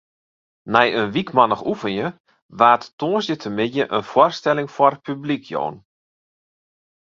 Nei in wykmannich oefenjen waard tongersdeitemiddei in foarstelling foar publyk jûn.